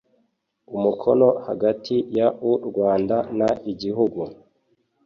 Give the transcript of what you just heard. umukono hagati y u Rwanda n igihugu